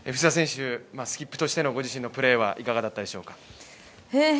スキップとしての御自身のプレーはいかがだったでしょうか？